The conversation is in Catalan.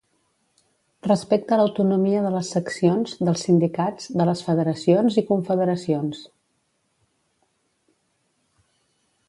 Respecta l'autonomia de les seccions, dels sindicats, de les federacions i confederacions.